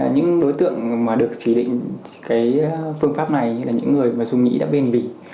những đối tượng mà được chỉ định phương pháp này là những người dung nghĩ đã bên bình